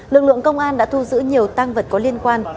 lực lượng công an đã thu giữ nhiều tăng vật có liên quan